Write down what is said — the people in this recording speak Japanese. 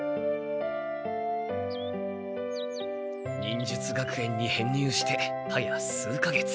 忍術学園に編入してはや数か月。